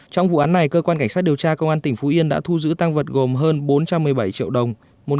trong vụ án này cơ quan cảnh sát điều tra công an tỉnh phú yên đã thu giữ tăng vật gồm hơn bốn trăm một mươi bảy triệu đồng